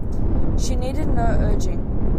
She needed no urging.